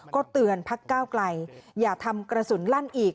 ก็เตือนพักก้าวไกลอย่าทำกระสุนลั่นอีก